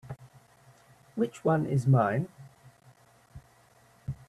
Which one is mine?